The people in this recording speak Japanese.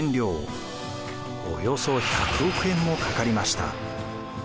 およそ１００億円もかかりました。